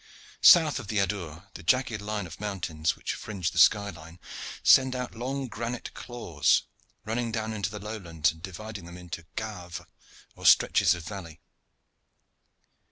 South of the Adour the jagged line of mountains which fringe the sky line send out long granite claws, running down into the lowlands and dividing them into "gaves" or stretches of valley.